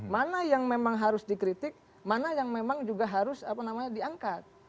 mana yang memang harus dikritik mana yang memang juga harus diangkat